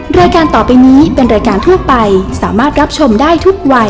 รายการต่อไปนี้เป็นรายการทั่วไปสามารถรับชมได้ทุกวัย